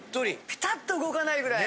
ピタッ！と動かないぐらい。